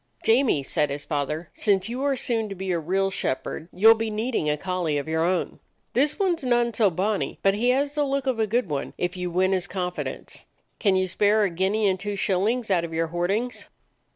"Jamie," said his father, "since you are soon to be a real shepherd you 'll be needing a collie of your own. This one 's none so bonny, but he has the look of a good one, if you win his confidence. Can you spare a guinea and two shillings out of your hoardings?"